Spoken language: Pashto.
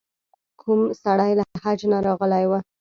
کوم سړی له حج نه راغلی و.